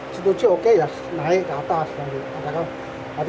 setuju oke ya naik ke atas